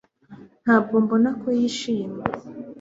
Ntabwo mbona ko yishimye